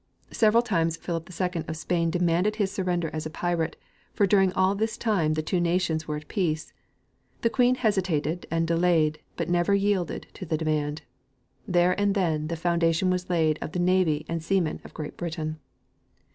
Several times Philip II of Spain demanded his surrender as a pirate, for during all this time the two nations were at peace ; the queen hesitated and delayed, but never yielded to the demand. There and then the founda tion was laid of the navy and seamen of Great Britain.